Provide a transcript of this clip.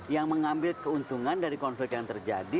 yang mengambil keuntungan dari konflik yang terjadi